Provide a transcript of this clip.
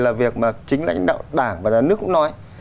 là việc mà chính lãnh đạo đảng và nhà nước cũng nói